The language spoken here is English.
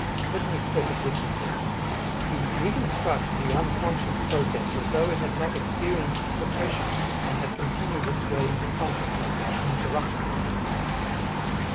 Let me express it differently: we reconstruct the unconscious process as though it had not experienced suppression and had continued its way into consciousness uninterruptedly.